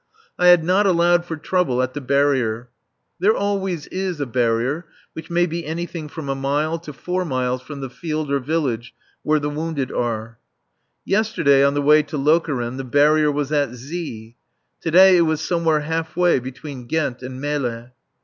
I had not allowed for trouble at the barrier. There always is a barrier, which may be anything from a mile to four miles from the field or village where the wounded are. Yesterday on the way to Lokeren the barrier was at Z . To day it was somewhere half way between Ghent and Melle.